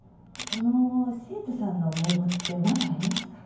その生徒さんの名簿ってまだありますか？